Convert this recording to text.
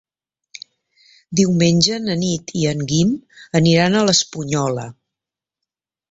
Diumenge na Nit i en Guim aniran a l'Espunyola.